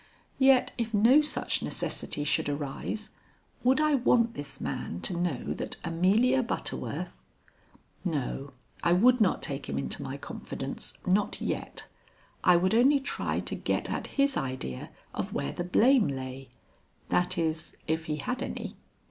Yet if no such necessity should arise would I want this man to know that Amelia Butterworth No, I would not take him into my confidence not yet. I would only try to get at his idea of where the blame lay that is, if he had any.